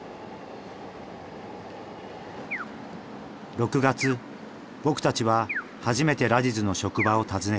６月僕たちは初めてラジズの職場を訪ねた。